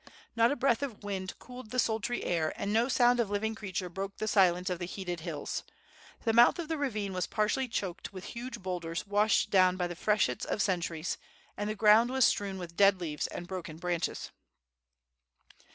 Not a breath of wind cooled the sultry air, and no sound of living creature broke the silence of the heated hills. The mouth of the ravine was partially choked with huge boulders washed down by the freshets of centuries, and the ground was strewn with dead leaves and broken branches.